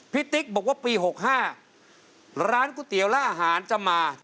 ติ๊กบอกว่าปี๖๕ร้านก๋วยเตี๋ยวและอาหารจะมา